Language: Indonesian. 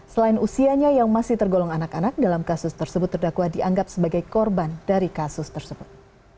selain usianya yang masih tergolong anak anak dalam kasus tersebut terdakwa dianggap sebagai korban dari kasus tersebut